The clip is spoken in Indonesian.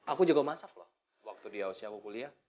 aku jago masak loh waktu di ausi aku kuliah